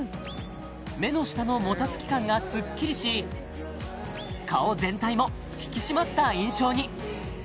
目の下のもたつき感がスッキリし顔全体も引き締まった印象に！